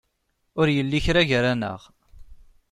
Ur yelli kra gar-aneɣ.